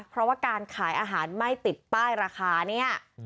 เพราะว่าการขายอาหารไม่ติดป้ายราคาเนี่ย